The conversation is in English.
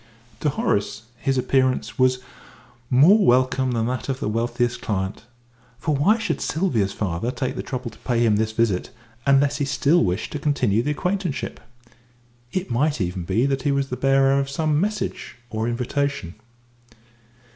To Horace his appearance was more welcome than that of the wealthiest client for why should Sylvia's father take the trouble to pay him this visit unless he still wished to continue the acquaintanceship? It might even be that he was the bearer of some message or invitation.